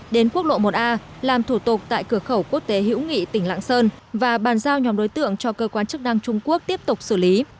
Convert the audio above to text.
đến quốc lộ một a làm thủ tục tại cửa khẩu quốc tế hữu nghị tỉnh lạng sơn và bàn giao nhóm đối tượng cho cơ quan chức năng trung quốc tiếp tục xử lý